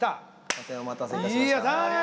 大変お待たせいたしました。